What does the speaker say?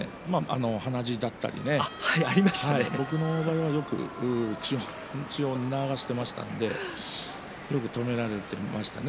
鼻血があったり僕の場合はよく血を流していましたのでよく止められていましたね。